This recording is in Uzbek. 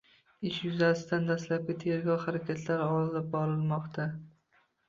Ish yuzasidan dastlabki tergov harakatlari olib borilmoqda.